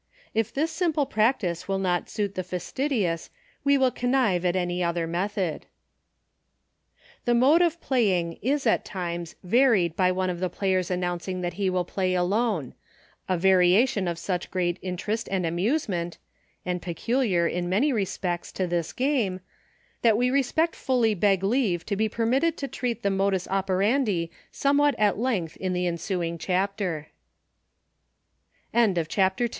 If this simple practice will not suit the fastidious, we will con nive at any other method. The mode of playing is, at times, varied by one of the players announcing that he will Play Alone — a variation of such great interest and amusement — and peculiar, in many respects, to this game — that we respect fully beg leave to be permitted to treat the modus operandi somewhat a